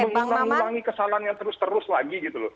mengulangi kesalahan yang terus terus lagi gitu loh